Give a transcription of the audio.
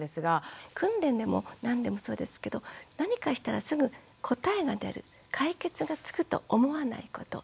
訓練でも何でもそうですけど何かしたらすぐ答えが出る解決がつくと思わないこと。